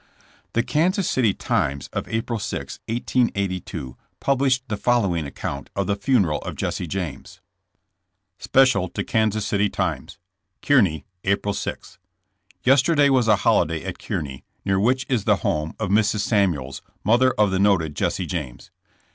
The Kansas City Times of April 7, 1882, pub lished the following account of the funeral of Jesse James : Special to the Kansas City Times. Kearney, April 6.— Yesterday was a holiday at Kearney, near which is the home of Mrs, Samuels, 104 JBSS« JAMSS. mother of the noted Jesse James.